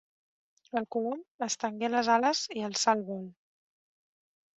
El colom estengué les ales i alçà el vol.